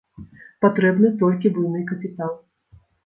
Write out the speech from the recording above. Патрэбны толькі буйны капітал.